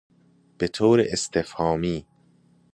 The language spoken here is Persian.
بطور استفهامی